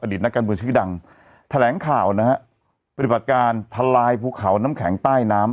นักการเมืองชื่อดังแถลงข่าวนะฮะปฏิบัติการทลายภูเขาน้ำแข็งใต้น้ำ